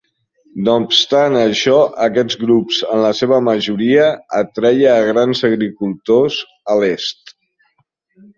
No obstant això, aquests grups en la seva majoria atreia a grans agricultors a l'est.